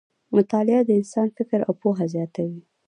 مطالعه د انسان فکر او پوهه زیاتوي.